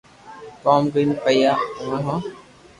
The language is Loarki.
ڪوم ڪرين پيا ليو ھون